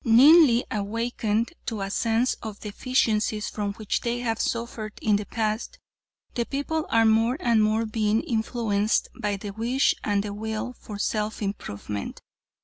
Keenly awakened to a sense of the deficiencies from which they have suffered in the past, the people are more and more being influenced by the wish and the will for self improvement.